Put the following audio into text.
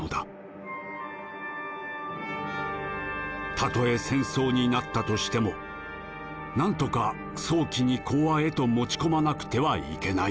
たとえ戦争になったとしてもなんとか早期に講和へと持ち込まなくてはいけない。